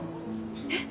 えっ！